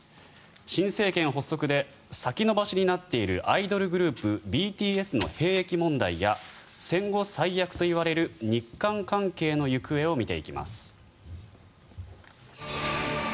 新政権発足で先延ばしになっているアイドルグループのＢＴＳの兵役問題や、戦後最悪と言われる日韓関係の行方を見ていきます。